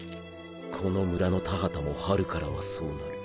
この村の田畑も春からはそうなる。